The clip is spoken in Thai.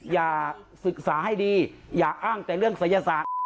อย่าศึกษาให้ดีอย่าอ้างแต่เรื่องศัยศาสตร์